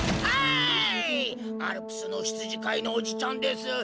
アルプスのひつじかいのおじちゃんです。